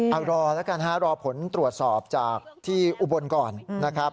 เอารอแล้วกันฮะรอผลตรวจสอบจากที่อุบลก่อนนะครับ